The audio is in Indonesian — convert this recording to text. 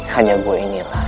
hanya gua inilah